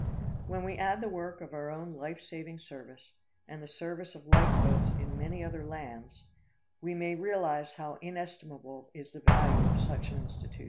When we add the work of our own life saving service, and the service of life boats in many other lands, we may realize how inestimable is the value of such an institution.